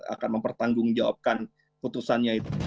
akan mempertanggungjawabkan keputusannya itu